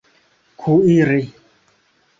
kuiri